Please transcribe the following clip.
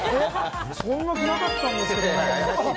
そんな気なかったんですけどね。